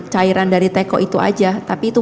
cairan dari teko itu aja tapi itu